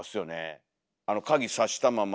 あの鍵さしたまま。